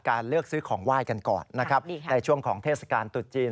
เลือกซื้อของไหว้กันก่อนนะครับในช่วงของเทศกาลตุดจีน